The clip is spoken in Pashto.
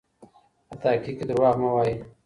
په تحقیق کې درواغ مه وایئ.